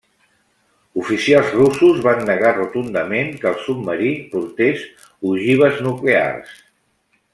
Oficials russos van negar rotundament que el submarí portés ogives nuclears.